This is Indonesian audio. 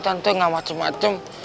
tante gak macem macem